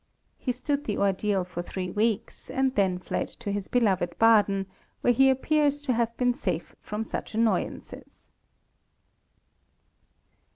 He stood the ordeal for three weeks, and then fled to his beloved Baden, where he appears to have been safe from such annoyances.